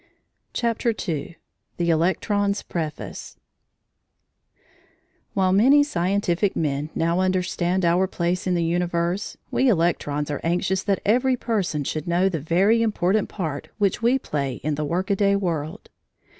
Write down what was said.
CHAPTER II THE ELECTRON'S PREFACE While many scientific men now understand our place in the universe, we electrons are anxious that every person should know the very important part which we play in the workaday world.